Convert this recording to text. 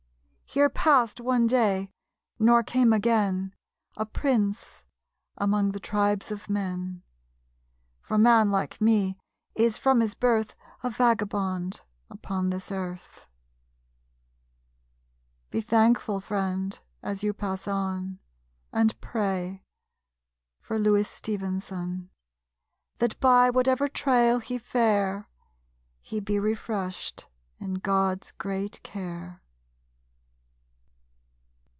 Here passed one day, nor came again, A prince among the tribes of men. (For man, like me, is from his birth A vagabond upon this earth.) Be thankful, friend, as you pass on, And pray for Louis Stevenson, That by whatever trail he fare He be refreshed in God's great care!